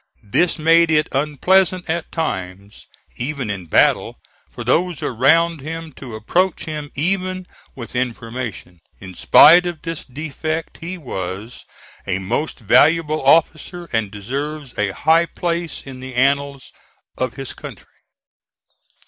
This made it unpleasant at times, even in battle, for those around him to approach him even with information. In spite of this defect he was a most valuable officer and deserves a high place in the annals of his country.